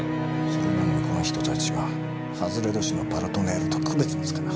それなのにこの人たちは外れ年の「パルトネール」と区別もつかなかった。